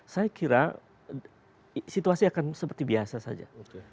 saya kira situasi akan seperti biasa saja